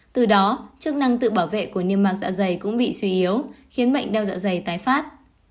từ đó chức năng tự bảo vệ của niêm mạc dạ dày cũng bị suy yếu khiến bệnh đeo dạ dày tái phát